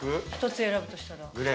１つ選ぶとしたら。